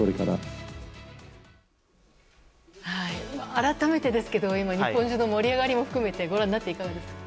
改めてですけど今、日本中の盛り上がりを含めてご覧になっていかがですか。